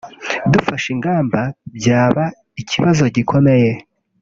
tudafashe ingamba byaba ikibazo gikomeye